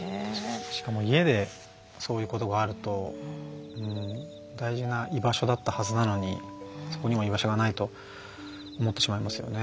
しかも家でそういうことがあると大事な居場所だったはずなのにそこにも居場所がないと思ってしまいますよね。